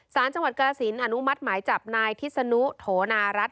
สารจังหวัดกรสินอนุมัติหมายจับนายทิศนุโถนารัฐ